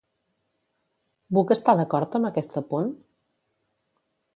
Buch està d'acord amb aquest apunt?